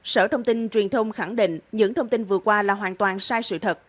sở thông tin truyền thông khẳng định những thông tin vừa qua là hoàn toàn sai sự thật